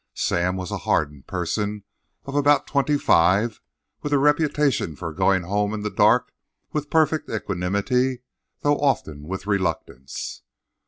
Sam was a hardened person of about twenty five, with a reputation for going home in the dark with perfect equanimity, though often with reluctance.